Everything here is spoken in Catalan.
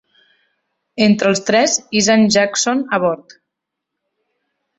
Entre els tres hissen Jackson a bord.